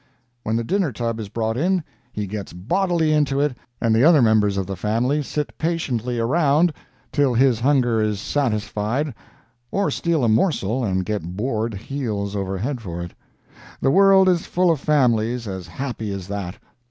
When the dinner tub is brought in, he gets bodily into it and the other members of the family sit patiently around till his hunger is satisfied or steal a morsel and get bored heels over head for it. The world is full of families as happy as that.